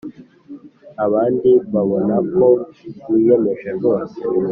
abandi babona ko wiyemeje rwose